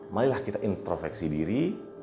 malilah kita introveksi diri